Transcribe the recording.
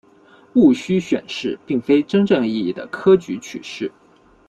戊戌选试并非真正意义的科举取士。